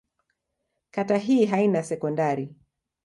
Kata hii haina sekondari.